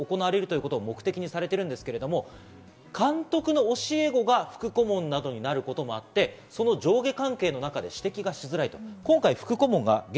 複数の目で監視が行われるということを目的にされているんですが、監督の教え子が副顧問などになることもあって、その上下関係の中で指摘しづらいと。